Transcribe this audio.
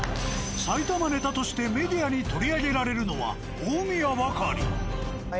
埼玉ネタとしてメディアに取り上げられるのは大宮ばかり。